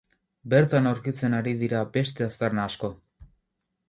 Bertan aurkitzen ari dira beste aztarna asko.